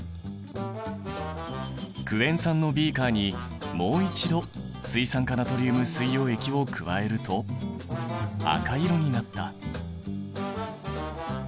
クエン酸のビーカーにもう一度水酸化ナトリウム水溶液を加えると赤色になった。